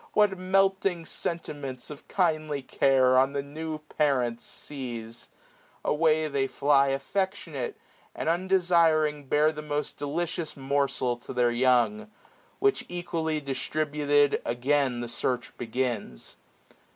What melting sentiments of kindly care. On the new parents seize ! away they fly Affectionate, and undesiring bear The most delicious morsel to their young ; 675 Which equally distributed, again The search begins.